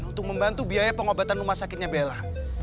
untuk membantu biaya pengobatan rumah sakitnya bella